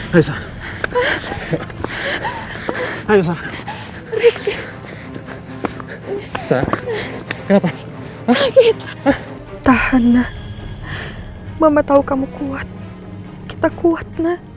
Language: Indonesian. hai rissa hai rissa rissa kenapa takut tahanlah mama tahu kamu kuat kita kuat